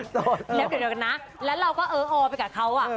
เดี๋ยวกันนะแล้วเราก็เอาไปกับเขาอ่ะ